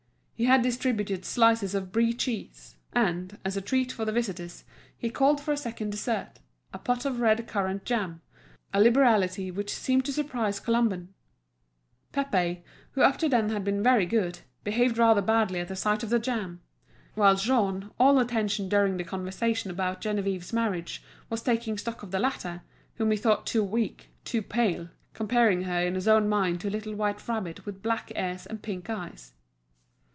He had distributed slices of Brie cheese, and, as a treat for the visitors, he called for a second dessert, a pot of red currant jam, a liberality which seemed to surprise Colomban. Pépé, who up to then had been very good, behaved rather badly at the sight of the jam; whilst Jean, all attention during the conversation about Geneviève's marriage, was taking stock of the latter, whom he thought too weak, too pale, comparing her in his own mind to a little white rabbit with black ears and pink eyes.